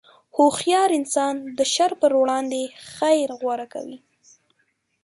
هوښیار انسان د شر پر وړاندې خیر غوره کوي.